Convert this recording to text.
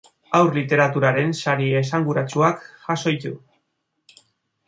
Haur literaturaren sari esanguratsuak jaso ditu.